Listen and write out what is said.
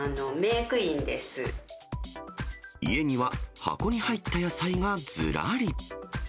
家には、箱に入った野菜がずらり。